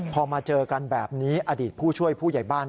พอมาเจอกันแบบนี้อดีตผู้ช่วยผู้ใหญ่บ้าน